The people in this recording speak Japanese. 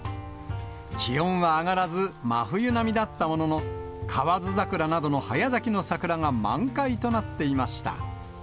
気温は上がらず、真冬並みだったものの、河津桜などの早咲きの桜が満開となっていました。